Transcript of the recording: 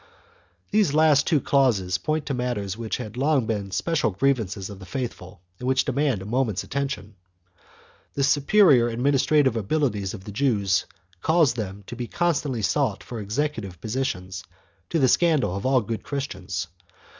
2 These last two clauses point to matters which had long been* special grievances of the faithful and which demand a moment's attention. The superior administrative abilities of the Jews caused them to be constantly sought for executive positions, to the scandal of all good Christians.